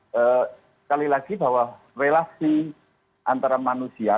sekali lagi bahwa relasi antara manusia